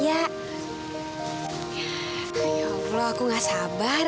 ya allah aku gak sabar